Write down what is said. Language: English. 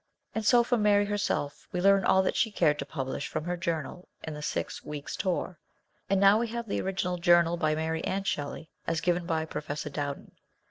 And so from Mary herself we learn all that she cared to publish from her journal in the Six Weeks' Tour, and now we have the original journal by Mary and Shelley, as given by Professor Dowden.